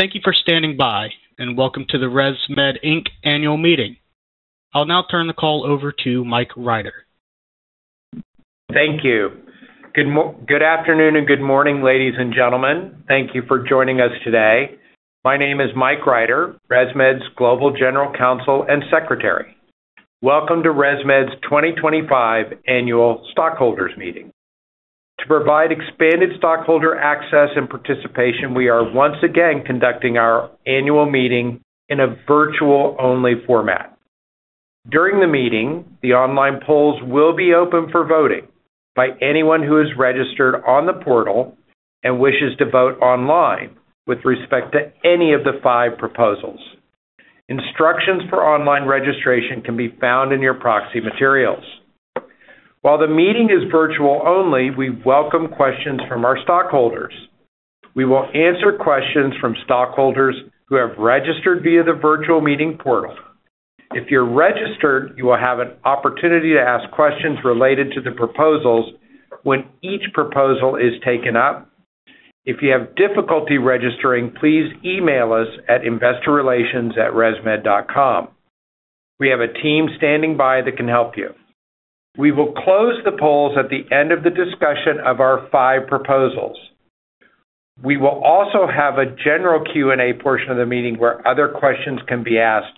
Thank you for standing by, and welcome to the ResMed annual meeting. I'll now turn the call over to Mike Ryder. Thank you. Good afternoon and good morning, ladies and gentlemen. Thank you for joining us today. My name is Mike Rider, ResMed's Global General Counsel and Secretary. Welcome to ResMed's 2025 Annual Stockholders' Meeting. To provide expanded stockholder access and participation, we are once again conducting our annual meeting in a virtual-only format. During the meeting, the online polls will be open for voting by anyone who is registered on the portal and wishes to vote online with respect to any of the five proposals. Instructions for online registration can be found in your proxy materials. While the meeting is virtual-only, we welcome questions from our stockholders. We will answer questions from stockholders who have registered via the virtual meeting portal. If you're registered, you will have an opportunity to ask questions related to the proposals when each proposal is taken up. If you have difficulty registering, please email us at investorrelations@resmed.com. We have a team standing by that can help you. We will close the polls at the end of the discussion of our five proposals. We will also have a general Q&A portion of the meeting where other questions can be asked.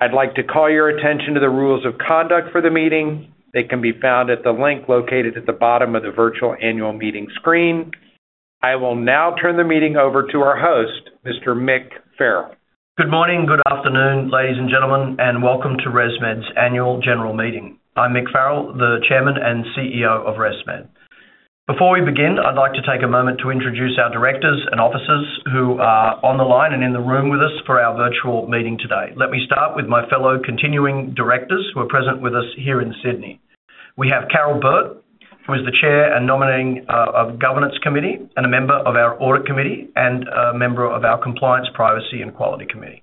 I'd like to call your attention to the rules of conduct for the meeting. They can be found at the link located at the bottom of the virtual annual meeting screen. I will now turn the meeting over to our host, Mr. Mick Farrell. Good morning and good afternoon, ladies and gentlemen, and welcome to ResMed's Annual General Meeting. I'm Mick Farrell, the Chairman and CEO of ResMed. Before we begin, I'd like to take a moment to introduce our directors and officers who are on the line and in the room with us for our virtual meeting today. Let me start with my fellow continuing directors who are present with us here in Sydney. We have Carol Burt, who is the Chair of the Nominating and Governance Committee, and a member of our Audit Committee and a member of our Compliance, Privacy, and Quality Committee.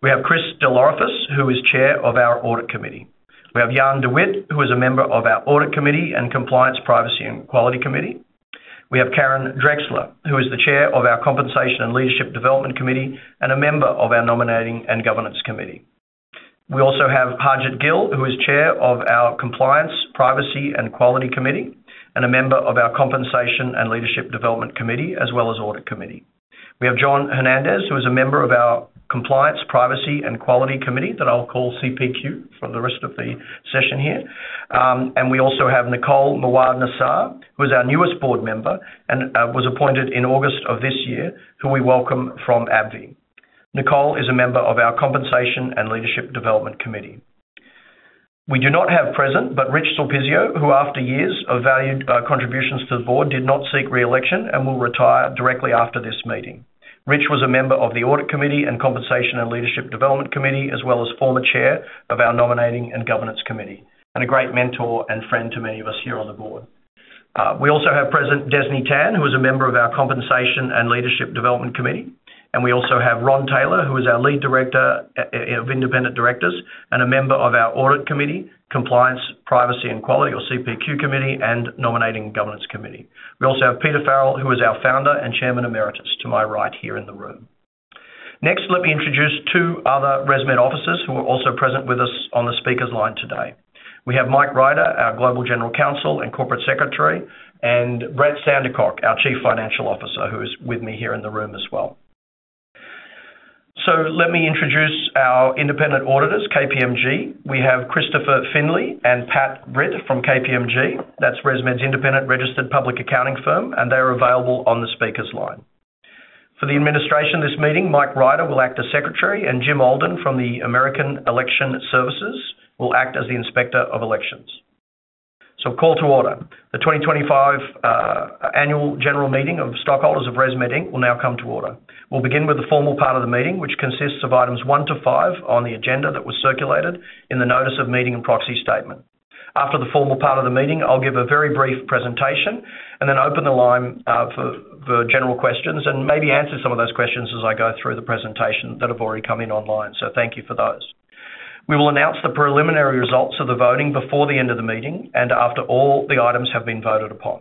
We have Chris DeLorifus, who is Chair of our Audit Committee. We have Yann DeWitt, who is a member of our Audit Committee and Compliance, Privacy, and Quality Committee. We have Karen Drexler, who is the Chair of our Compensation and Leadership Development Committee and a member of our Nominating and Governance Committee. We also have Harjit Gill, who is Chair of our Compliance, Privacy, and Quality Committee and a member of our Compensation and Leadership Development Committee, as well as Audit Committee. We have John Hernandez, who is a member of our Compliance, Privacy, and Quality Committee that I'll call CPQ for the rest of the session here. We also have Nicole Mawar Nassar, who is our newest board member and was appointed in August of this year, who we welcome from AbbVie. Nicole is a member of our Compensation and Leadership Development Committee. We do not have present, but Rich Sulpizio, who, after years of valued contributions to the board, did not seek re-election and will retire directly after this meeting. Rich was a member of the Audit Committee and Compensation and Leadership Development Committee, as well as former Chair of our Nominating and Governance Committee, and a great mentor and friend to many of us here on the board. We also have present Desni Tan, who is a member of our Compensation and Leadership Development Committee. We also have Ron Taylor, who is our Lead Independent Director and a member of our Audit Committee, Compliance, Privacy, and Quality, or CPQ Committee, and Nominating and Governance Committee. We also have Peter Farrell, who is our Founder and Chairman Emeritus to my right here in the room. Next, let me introduce two other ResMed officers who are also present with us on the speaker's line today. We have Mike Ryder, our Global General Counsel and Corporate Secretary, and Brett Sandercock, our Chief Financial Officer, who is with me here in the room as well. Let me introduce our independent auditors, KPMG. We have Christopher Finley and Pat Britt from KPMG. That's ResMed's independent registered public accounting firm, and they are available on the speaker's line. For the administration of this meeting, Mike Ryder will act as Secretary, and Jim Alden from the American Election Services will act as the Inspector of Elections. Call to order. The 2025 Annual General Meeting of Stockholders of ResMed will now come to order. We'll begin with the formal part of the meeting, which consists of items one to five on the agenda that was circulated in the Notice of Meeting and Proxy Statement. After the formal part of the meeting, I'll give a very brief presentation and then open the line for general questions and maybe answer some of those questions as I go through the presentation that have already come in online. Thank you for those. We will announce the preliminary results of the voting before the end of the meeting and after all the items have been voted upon.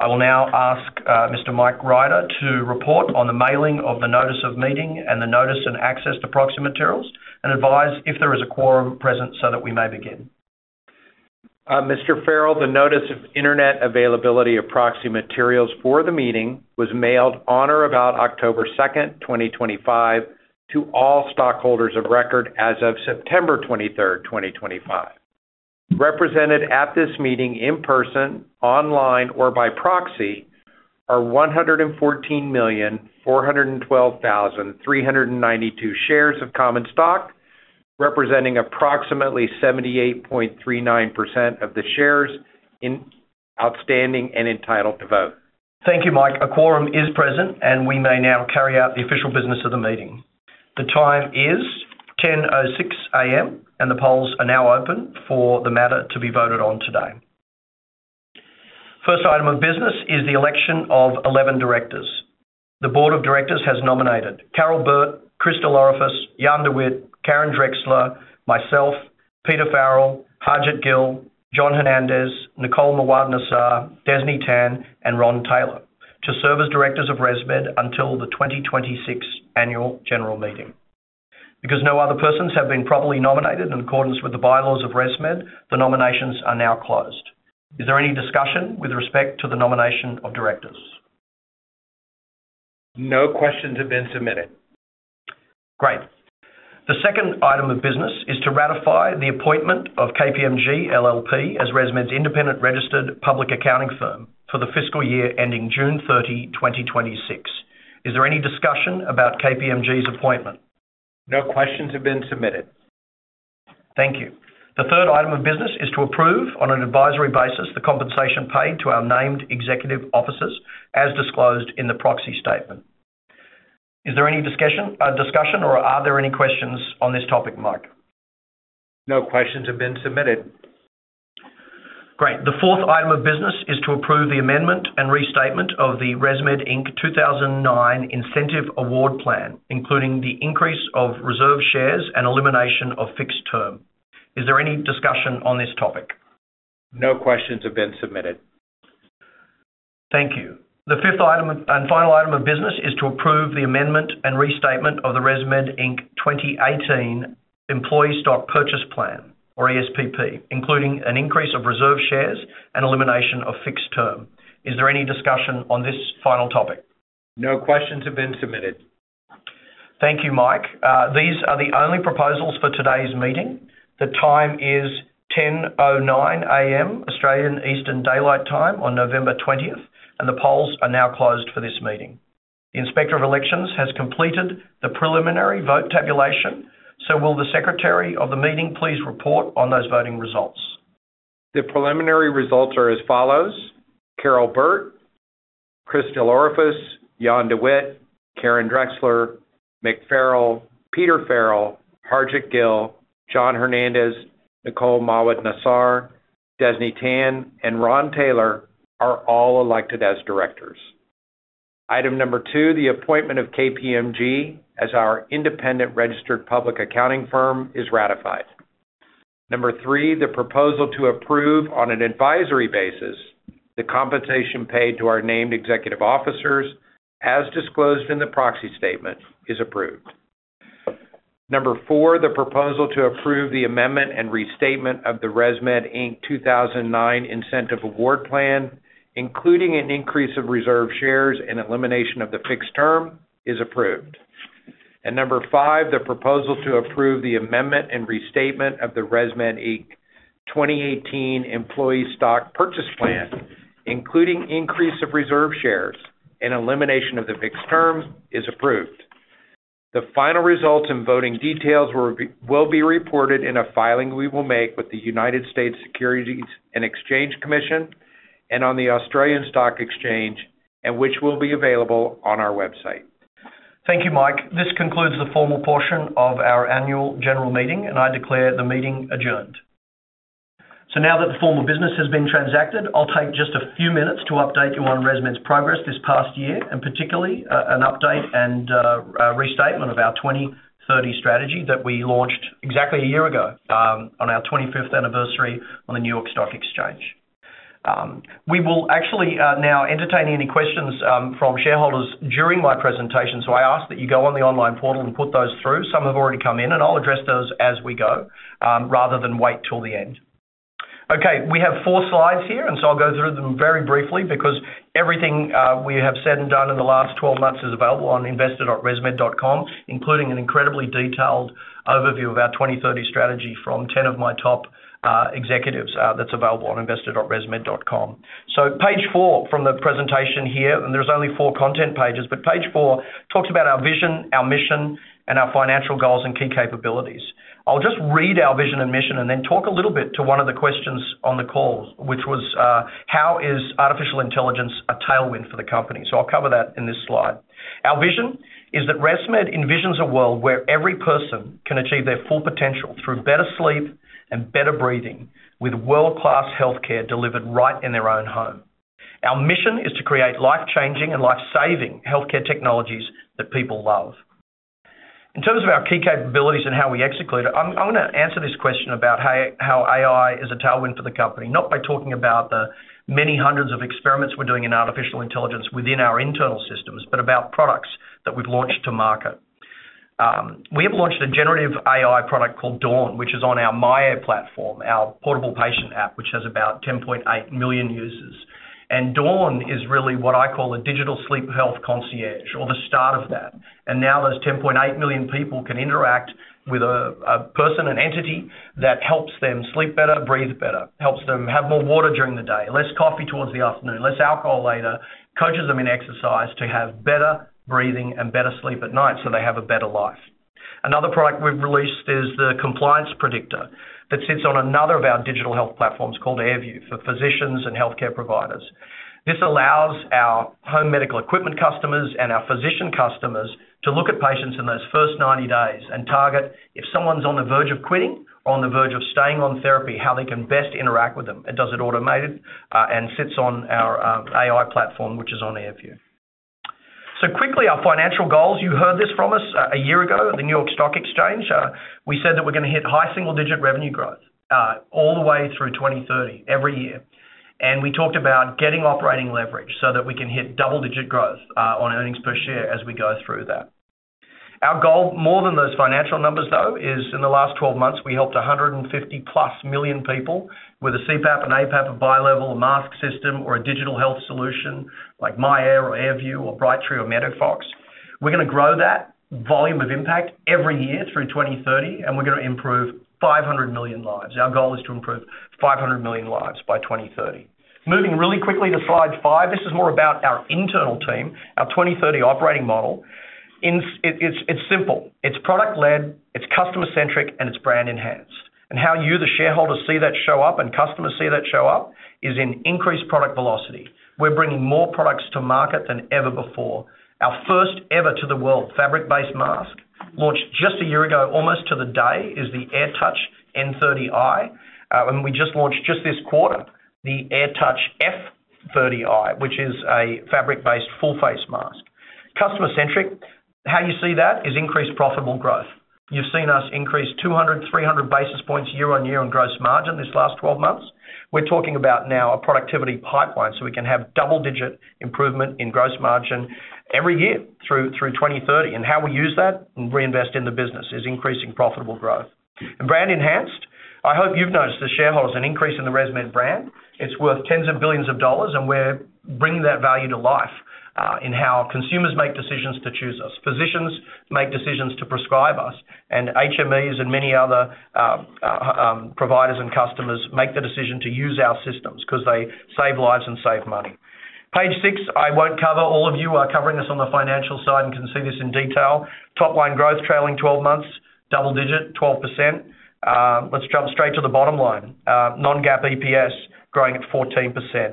I will now ask Mr. Mike Ryder to report on the mailing of the Notice of Meeting and the Notice and Access to Proxy Materials and advise if there is a quorum present so that we may begin. Mr. Farrell, the Notice of Internet Availability of Proxy Materials for the meeting was mailed on or about October 2, 2025, to all stockholders of record as of September 23, 2025. Represented at this meeting in person, online, or by proxy are 114,412,392 shares of common stock, representing approximately 78.39% of the shares outstanding and entitled to vote. Thank you, Mike. A quorum is present, and we may now carry out the official business of the meeting. The time is 10:06 A.M., and the polls are now open for the matter to be voted on today. First item of business is the election of 11 directors. The Board of Directors has nominated Carol Burt, Chris DeLorifus, Yann DeWitt, Karen Drexler, myself, Peter Farrell, Harjit Gill, John Hernandez, Nicole Mawar Nassar, Desni Tan, and Ron Taylor to serve as directors of ResMed until the 2026 annual general meeting. Because no other persons have been properly nominated in accordance with the bylaws of ResMed, the nominations are now closed. Is there any discussion with respect to the nomination of directors? No questions have been submitted. Great. The second item of business is to ratify the appointment of KPMG LLP as ResMed's independent registered public accounting firm for the fiscal year ending June 30, 2026. Is there any discussion about KPMG's appointment? No questions have been submitted. Thank you. The third item of business is to approve on an advisory basis the compensation paid to our named executive officers as disclosed in the proxy statement. Is there any discussion, or are there any questions on this topic, Mike? No questions have been submitted. Great. The fourth item of business is to approve the amendment and restatement of the ResMed 2009 Incentive Award Plan, including the increase of reserve shares and elimination of fixed term. Is there any discussion on this topic? No questions have been submitted. Thank you. The fifth and final item of business is to approve the amendment and restatement of the ResMed 2018 Employee Stock Purchase Plan, or ESPP, including an increase of reserve shares and elimination of fixed term. Is there any discussion on this final topic? No questions have been submitted. Thank you, Mike. These are the only proposals for today's meeting. The time is 10:09 A.M. Australian Eastern Daylight Time on November 20th, and the polls are now closed for this meeting. The Inspector of Elections has completed the preliminary vote tabulation, so will the Secretary of the meeting please report on those voting results? The preliminary results are as follows: Carol Burt, Chris DeLorifus, Yann DeWitt, Karen Drexler, Mick Farrell, Peter Farrell, Harjit Gill, John Hernandez, Nicole Mawar Nassar, Desni Tan, and Ron Taylor are all elected as directors. Item number two, the appointment of KPMG as our independent registered public accounting firm is ratified. Number three, the proposal to approve on an advisory basis the compensation paid to our named executive officers, as disclosed in the proxy statement, is approved. Number four, the proposal to approve the amendment and restatement of the ResMed 2009 Incentive Award Plan, including an increase of reserve shares and elimination of the fixed term, is approved. Number five, the proposal to approve the amendment and restatement of the ResMed 2018 Employee Stock Purchase Plan, including increase of reserve shares and elimination of the fixed term, is approved. The final results and voting details will be reported in a filing we will make with the United States Securities and Exchange Commission and on the Australian Stock Exchange, which will be available on our website. Thank you, Mike. This concludes the formal portion of our annual general meeting, and I declare the meeting adjourned. Now that the formal business has been transacted, I'll take just a few minutes to update you on ResMed's progress this past year, and particularly an update and restatement of our 2030 strategy that we launched exactly a year ago on our 25th anniversary on the New York Stock Exchange. We will actually now entertain any questions from shareholders during my presentation, so I ask that you go on the online portal and put those through. Some have already come in, and I'll address those as we go rather than wait till the end. Okay, we have four slides here, and so I'll go through them very briefly because everything we have said and done in the last 12 months is available on investor.resmed.com, including an incredibly detailed overview of our 2030 strategy from 10 of my top executives that's available on investor.resmed.com. Page four from the presentation here, and there's only four content pages, but page four talks about our vision, our mission, and our financial goals and key capabilities. I'll just read our vision and mission and then talk a little bit to one of the questions on the call, which was, how is artificial intelligence a tailwind for the company? I'll cover that in this slide. Our vision is that ResMed envisions a world where every person can achieve their full potential through better sleep and better breathing, with world-class healthcare delivered right in their own home. Our mission is to create life-changing and life-saving healthcare technologies that people love. In terms of our key capabilities and how we execute it, I'm going to answer this question about how AI is a tailwind for the company, not by talking about the many hundreds of experiments we're doing in artificial intelligence within our internal systems, but about products that we've launched to market. We have launched a generative AI product called Dawn, which is on our Maya platform, our portable patient app, which has about 10.8 million users. Dawn is really what I call a digital sleep health concierge or the start of that. Now those 10.8 million people can interact with a person, an entity that helps them sleep better, breathe better, helps them have more water during the day, less coffee towards the afternoon, less alcohol later, coaches them in exercise to have better breathing and better sleep at night so they have a better life. Another product we've released is the Compliance Predictor that sits on another of our digital health platforms called AirView for physicians and healthcare providers. This allows our home medical equipment customers and our physician customers to look at patients in those first 90 days and target if someone's on the verge of quitting or on the verge of staying on therapy, how they can best interact with them. It does it automated and sits on our AI platform, which is on AirView. Quickly, our financial goals, you heard this from us a year ago at the New York Stock Exchange. We said that we're going to hit high single-digit revenue growth all the way through 2030 every year. We talked about getting operating leverage so that we can hit double-digit growth on earnings per share as we go through that. Our goal, more than those financial numbers, though, is in the last 12 months, we helped 150-plus million people with a CPAP and APAP or bi-level, a mask system, or a digital health solution like myAir or AirView or Brightree or MEDIFOX DAN. We're going to grow that volume of impact every year through 2030, and we're going to improve 500 million lives. Our goal is to improve 500 million lives by 2030. Moving really quickly to slide five, this is more about our internal team, our 2030 operating model. It's simple. It's product-led, it's customer-centric, and it's brand-enhanced. How you, the shareholders, see that show up and customers see that show up is in increased product velocity. We're bringing more products to market than ever before. Our first ever-to-the-world fabric-based mask launched just a year ago, almost to the day, is the AirTouch N30i. We just launched just this quarter the AirTouch F30i, which is a fabric-based full-face mask. Customer-centric, how you see that is increased profitable growth. You've seen us increase 200-300 basis points year on year on gross margin this last 12 months. We're talking about now a productivity pipeline so we can have double-digit improvement in gross margin every year through 2030. How we use that and reinvest in the business is increasing profitable growth. Brand-enhanced, I hope you've noticed the shareholders an increase in the ResMed brand. It's worth tens of billions of dollars, and we're bringing that value to life in how consumers make decisions to choose us, physicians make decisions to prescribe us, and HMEs and many other providers and customers make the decision to use our systems because they save lives and save money. Page six, I won't cover all of you are covering this on the financial side and can see this in detail. Top-line growth trailing 12 months, double-digit, 12%. Let's jump straight to the bottom line. Non-GAAP EPS growing at 14%.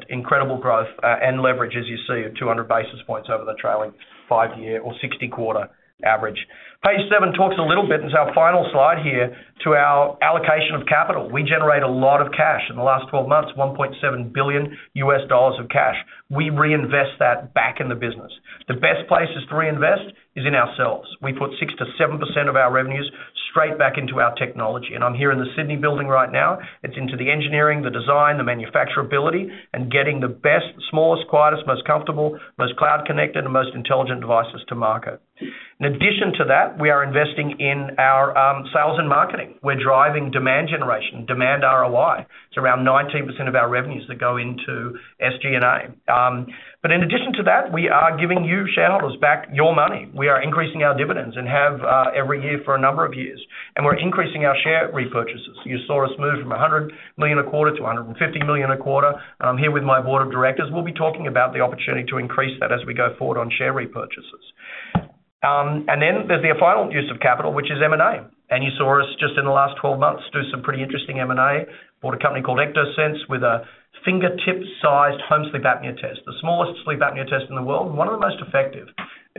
Incredible growth and leverage, as you see, of 200 basis points over the trailing five-year or 60-quarter average. Page seven talks a little bit and is our final slide here to our allocation of capital. We generate a lot of cash in the last 12 months, $1.7 billion of cash. We reinvest that back in the business. The best places to reinvest is in ourselves. We put 6-7% of our revenues straight back into our technology. I'm here in the Sydney building right now. It's into the engineering, the design, the manufacturability, and getting the best, smallest, quietest, most comfortable, most cloud-connected, and most intelligent devices to market. In addition to that, we are investing in our sales and marketing. We're driving demand generation, demand ROI. It's around 19% of our revenues that go into SG&A. In addition to that, we are giving you shareholders back your money. We are increasing our dividends and have every year for a number of years. We're increasing our share repurchases. You saw us move from $100 million a quarter to $150 million a quarter. I'm here with my board of directors. We'll be talking about the opportunity to increase that as we go forward on share repurchases. There is the final use of capital, which is M&A. You saw us just in the last 12 months do some pretty interesting M&A. Bought a company called Ectosense with a fingertip-sized home sleep apnea test, the smallest sleep apnea test in the world and one of the most effective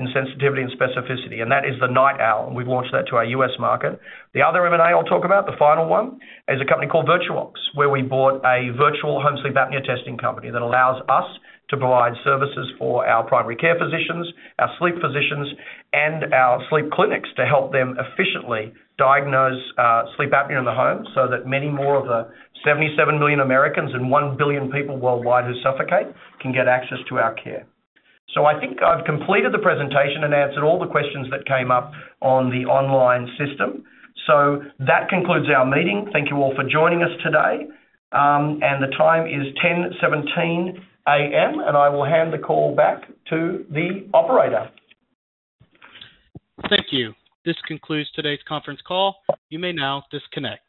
in sensitivity and specificity. That is the NightOwl. We've launched that to our US market. The other M&A I'll talk about, the final one, is a company called VirtuOx, where we bought a virtual home sleep apnea testing company that allows us to provide services for our primary care physicians, our sleep physicians, and our sleep clinics to help them efficiently diagnose sleep apnea in the home so that many more of the 77 million Americans and 1 billion people worldwide who suffocate can get access to our care. I think I've completed the presentation and answered all the questions that came up on the online system. That concludes our meeting. Thank you all for joining us today. The time is 10:17 A.M., and I will hand the call back to the operator. Thank you. This concludes today's conference call. You may now disconnect.